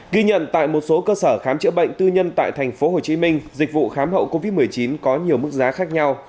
ghi nhận tại một số cơ sở khám chữa bệnh tư nhân tại tp hcm dịch vụ khám hậu covid một mươi chín có nhiều mức giá khác nhau